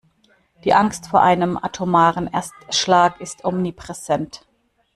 Die Angst vor einem atomaren Erstschlag ist omnipräsent.